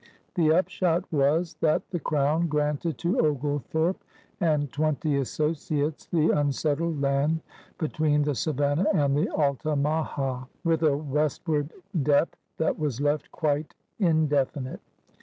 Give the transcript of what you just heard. The upshot was that the Crown granted to Oglethorpe and twenty associates the unsettled land betwe^i the Savannah and the Altamaha, with a westward depth that was left quite indefi nite.